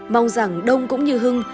mong rằng đông cũng như hưng